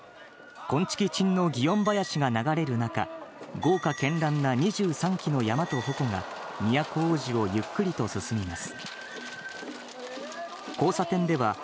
コンチキチンの祇園囃子が流れる中、豪華絢爛な２３基の山と鉾が都大路をゆっくりと進みます。